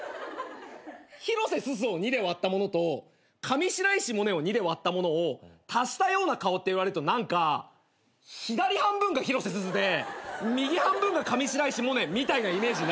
広瀬すずを２で割ったものと上白石萌音を２で割ったものを足したような顔って言われると何か左半分が広瀬すずで右半分が上白石萌音みたいなイメージになるのよ。